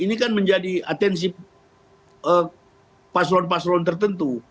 ini kan menjadi atensi paslon paslon tertentu